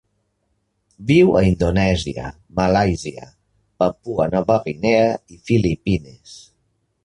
Viu a Indonèsia, Malàisia, Papua Nova Guinea i Filipines.